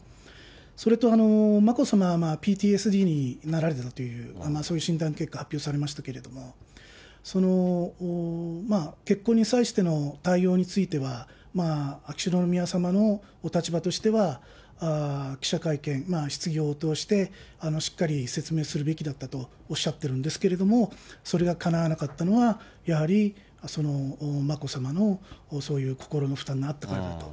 それと眞子さま、ＰＴＳＤになられたという、そういう診断結果が発表されましたけれども、結婚に際しての対応については、秋篠宮さまのお立場としては、記者会見、質疑応答して、しっかり説明するべきだったとおっしゃっているんですけれども、それがかなわなかったのは、やはり眞子さまのそういう心の負担があったからだと。